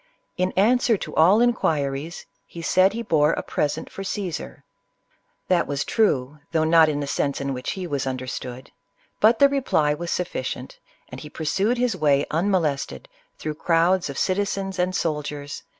In answer to all inquiries, he said he bore a present for CsesM That was true, though not in the sense in which he was understood ; but the reply was sufficient, and he pursued his way unmolested, through crowds of citizens and soldiers, 22 CLEOPATRA.